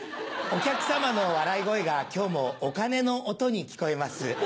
お客様の笑い声が今日もお金の音に聞こえます。